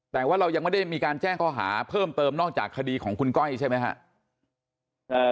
แต่ว่าเรายังไม่ได้มีการแจ้งข้อหาเพิ่มเติมนอกจากคดีของคุณก้อยใช่ไหมครับ